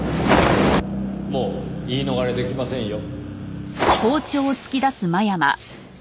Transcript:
もう言い逃れできませんよ。